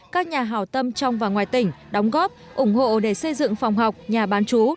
các nhà hào tâm trong và ngoài tỉnh đóng góp ủng hộ để xây dựng phòng học nhà bán chú